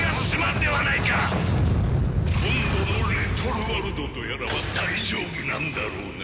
今度のレトロワルドとやらは大丈夫なんだろうな？